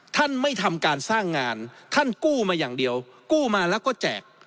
ท่านไม่ทำการสร้างงานท่านกู้มาอย่างเดียวกู้มาแล้วก็แจก